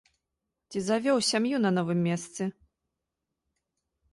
Ці завёў сям'ю на новым месцы?